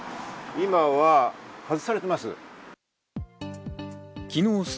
今は外されています。